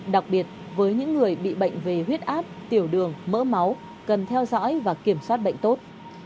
đặc biệt với những người bị bệnh về huyết áp tiểu đường mỡ máu cần theo dõi và kiểm soát bệnh tốt